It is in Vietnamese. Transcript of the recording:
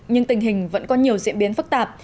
nhưng tình hình vẫn có nhiều diễn biến phức tạp